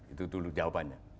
itu dulu jawabannya